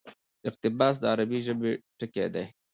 اقتباس: د عربي ژبي ټکى دئ.